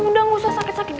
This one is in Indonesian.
mudah tidak usah sakit sakit